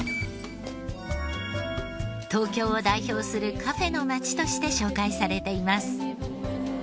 東京を代表するカフェの街として紹介されています。